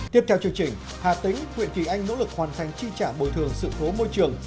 tiếp theo chương trình hà tĩnh huyện kỳ anh nỗ lực hoàn thành chi trả bồi thường sự cố môi trường